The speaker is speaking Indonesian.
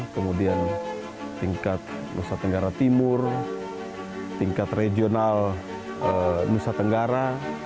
kemudian tingkat nusa tenggara timur tingkat regional nusa tenggara